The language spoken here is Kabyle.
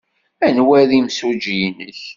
Anwa ay d imsujji-nnek?